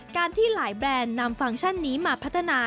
การที่หลายแบรนด์นำฟังก์ชันนี้มาพัฒนา